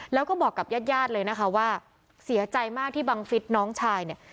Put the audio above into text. แล้วก็บอกกับญาติญาติเลยนะคะว่าเสียใจมากที่บังฟิศน้องชายเนี่ย